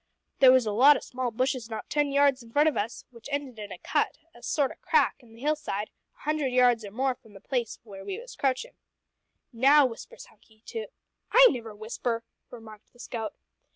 There was a lot o' small bushes not ten yards in front of us, which ended in a cut a sort o' crack in the hill side, a hundred yards or more from the place where we was crouchin'. "`Now,' whispers Hunky to " "I never whisper!" remarked the scout.